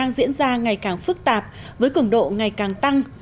biến đổi khí hậu đang diễn ra ngày càng phức tạp với cứng độ ngày càng tăng